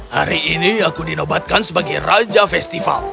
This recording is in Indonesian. hari ini aku dinobatkan sebagai raja festival